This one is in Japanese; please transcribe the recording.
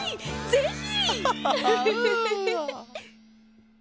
ぜひ！